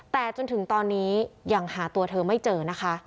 แต่จนถึงตอนนี้ยังหาตัวเธอไม่เจอนะคะ